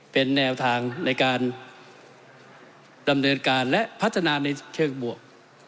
เป็นแนวทางในการดำเนินการและพัฒนาในเชิงบวก